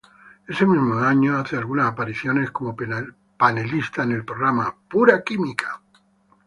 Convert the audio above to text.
Ese mismo año hace algunas apariciones como panelista en el programa "Pura Química".